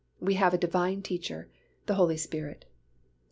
We have a Divine Teacher, the Holy Spirit.